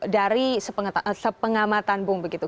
dari sepengamatan bung begitu